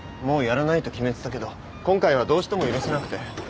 もうやらないと決めてたけど今回はどうしても許せなくて。